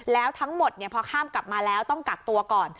แล้วทั้งหมดพอข้ามกลับมาแล้วต้องกักตัวก่อน